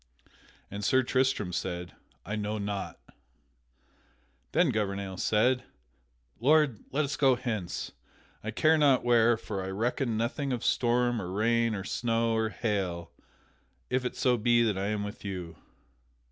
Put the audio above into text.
And Sir Tristram said, "I know not." Then Gouvernail said: "Lord, let us go hence, I care not where, for I reckon nothing of storm or rain or snow or hail if it so be that I am with you."